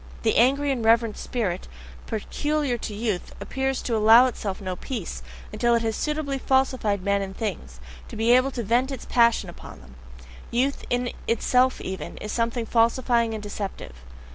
The angry and reverent spirit peculiar to youth appears to allow itself no peace, until it has suitably falsified men and things, to be able to vent its passion upon them: youth in itself even, is something falsifying and deceptive.